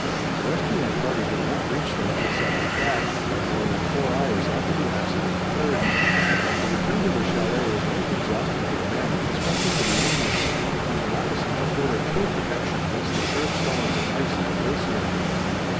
The rescuing party did not reach them till seven o'clock, or more than four hours after the accident occurred. The return to the chalet was most exhausting to the men, especially to the Indians, whose moccasins afforded poor protection against the sharp stones and ice of the glacier.